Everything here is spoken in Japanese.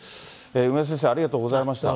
梅田先生、ありがとうございました。